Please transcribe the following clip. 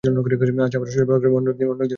আজ আমার শরীর ভাল নয়, অন্য একদিন বুঝিয়ে দেব।